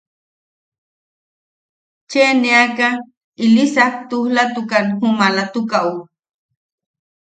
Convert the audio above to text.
Cheeneaka ili saktujlatukan ju maalatukaʼu.